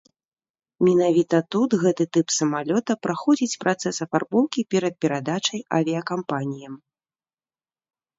Менавіта тут гэты тып самалёта праходзіць працэс афарбоўкі перад перадачай авіякампаніям.